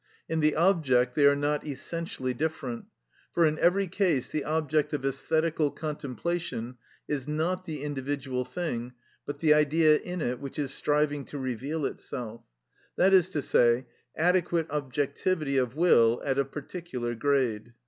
In the object they are not essentially different, for in every case the object of æsthetical contemplation is not the individual thing, but the Idea in it which is striving to reveal itself; that is to say, adequate objectivity of will at a particular grade.